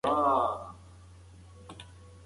باکتریاوې په توده فضا کې ژر وده کوي.